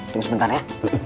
tunggu sebentar ya